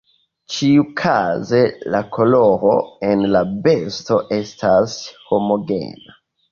Ĉiukaze la koloro en la besto estas homogena.